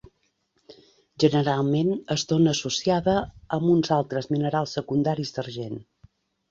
Generalment es dóna associada amb uns altres minerals secundaris d'argent.